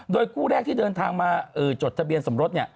โดยคู่แรกที่เดินทางมาจดทะเบียนสมรส